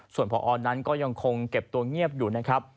ส่วนพอนั้นก็ยังคงเก็บตัวเงียบอยู่นะครับ